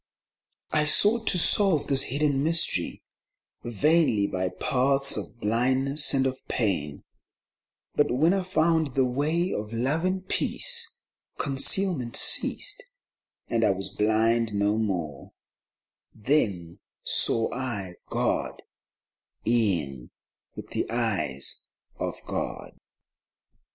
I sought to solve this hidden mystery Vainly by paths of blindness and of pain, But when I found the Way of Love and Peace, Concealment ceased, and I was blind no more : Then saw I God een with the eyes of God.